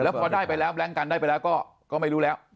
พอได้ไปแล้วแบล็งกันได้ไปแล้วก็ไม่รู้แล้ว